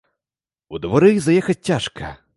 У двары заехаць цяжка.